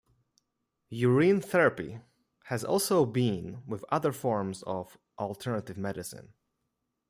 Urine-therapy has also been with other forms of alternative medicine.